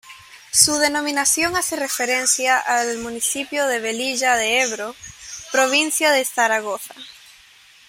Su denominación hace referencia al municipio de Velilla de Ebro, provincia de Zaragoza.